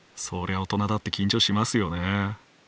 そりゃ大人だって緊張しますよね。